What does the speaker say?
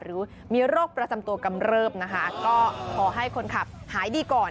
หรือมีโรคประจำตัวกำเริบนะคะก็ขอให้คนขับหายดีก่อน